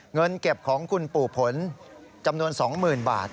เงินเก็บของคุณปู่ผลจำนวน๒๐๐๐บาท